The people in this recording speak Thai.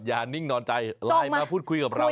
นิ่งนอนใจไลน์มาพูดคุยกับเรา